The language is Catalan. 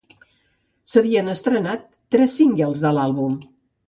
S'havien estrenat tres singles de l'àlbum.